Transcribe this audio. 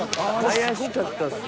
怪しかったっすね。